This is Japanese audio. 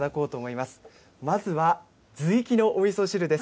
まずはずいきのおみそ汁です。